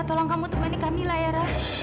tolong kamu temani camilla ya rah